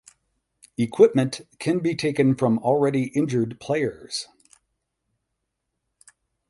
Equipment can be taken from already injured players.